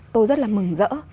tôi rất là mừng rỡ